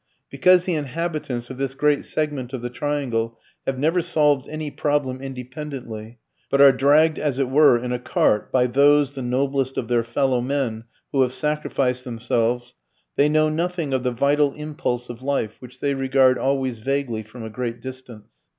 Because the inhabitants of this great segment of the triangle have never solved any problem independently, but are dragged as it were in a cart by those the noblest of their fellowmen who have sacrificed themselves, they know nothing of the vital impulse of life which they regard always vaguely from a great distance.